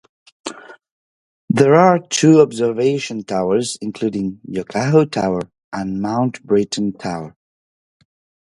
There are two observation towers including Yokahu Tower and Mount Britton Tower.